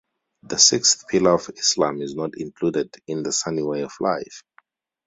The sixth pillar of Islam is not included in the Sunni way of life.